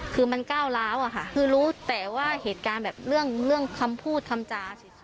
คือมันก้าวร้าวอะค่ะคือรู้แต่ว่าเหตุการณ์แบบเรื่องคำพูดคำจาสิ